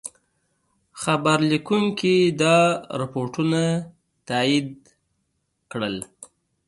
خبرلیکونکي دا رپوټونه تایید کړل.